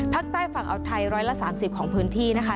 ภาคใต้ฝั่งอาวไทย๑๓๐ของพื้นที่นะคะ